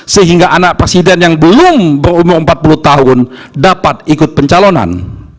sehingga anak presiden yang belum berumur empat puluh tahun dapat ikut pencalonan